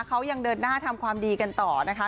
เขายังเดินหน้าทำความดีกันต่อนะคะ